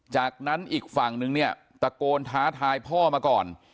จากนั้นอีกฝั่งนึงเนี่ยตะโกนท้าทายพ่อมาก่อน